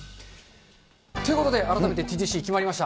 ということで、改めてＴＧＣ決まりました。